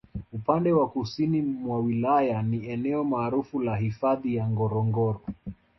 Upande wa Kusini mwa Wilaya ni eneo maarufu la Hifadhi ya Ngorongoro